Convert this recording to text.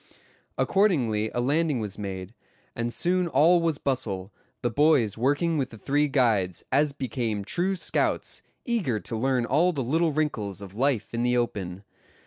Accordingly a landing was made, and soon all was bustle, the boys working with the three guides, as became true scouts, eager to learn all the little wrinkles of life in the open.